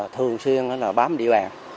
thường xuyên bám địa bàn